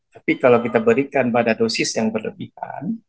tapi kalau kita berikan pada dosis yang berlebihan